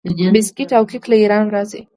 بسکیټ او کیک له ایران راځي.